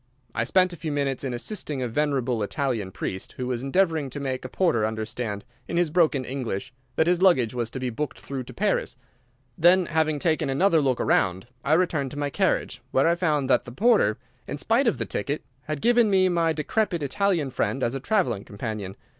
I spent a few minutes in assisting a venerable Italian priest, who was endeavouring to make a porter understand, in his broken English, that his luggage was to be booked through to Paris. Then, having taken another look round, I returned to my carriage, where I found that the porter, in spite of the ticket, had given me my decrepit Italian friend as a traveling companion.